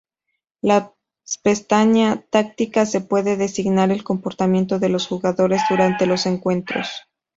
Las pestaña "Tácticas" se puede designar el comportamiento de los jugadores durante los encuentros.